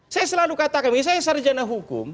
saya selalu katakan saya sarjana hukum